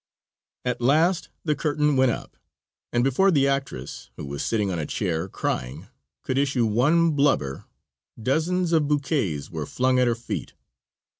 At last the curtain went up, and before the actress, who was sitting on a chair, crying, could issue one blubber, dozens of bouquets were flung at her feet.